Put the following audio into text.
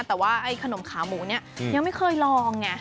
แต่ว่าไอ้ขนมขาหมูเนี่ยยังไม่เคยลองไง